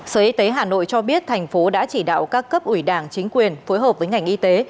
sở y tế hà nội cho biết thành phố đã chỉ đạo các cấp ủy đảng chính quyền phối hợp với ngành y tế